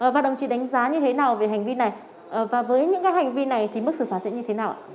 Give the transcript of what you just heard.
và đồng chí đánh giá như thế nào về hành vi này và với những hành vi này thì mức sự phản diện như thế nào